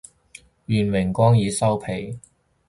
願榮光已收皮